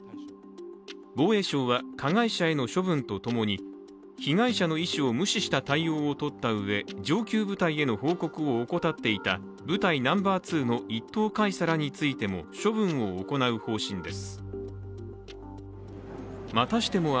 防衛省は加害者への処分とともに、被害者の意思を無視した対応を取ったうえ上級部隊への報告を怠っていた部隊ナンバー２の１等海佐らについても処分を行う方針です。